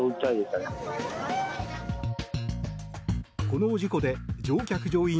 この事故で乗客・乗員